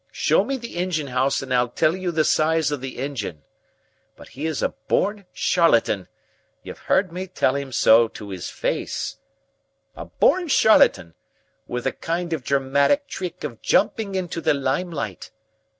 Show me the engine house and I'll tell you the size of the engine. But he is a born charlatan you've heard me tell him so to his face a born charlatan, with a kind of dramatic trick of jumping into the limelight.